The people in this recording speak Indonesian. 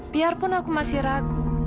biarpun aku masih ragu